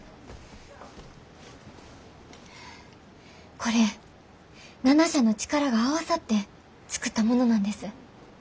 これ７社の力が合わさって作ったものなんです。